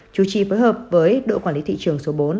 chủ trì phối hợp với đội quản lý thị trường số bốn